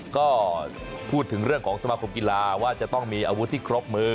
ก็พูดถึงเรื่องของสมาคมกีฬาว่าจะต้องมีอาวุธที่ครบมือ